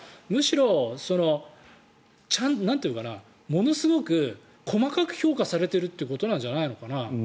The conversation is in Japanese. だから、むしろものすごく細かく評価されてるってことじゃないのかな。